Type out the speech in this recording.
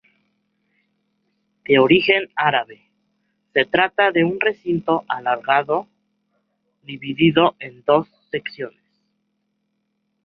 De origen árabe, se trata de un recinto alargado dividido en dos secciones.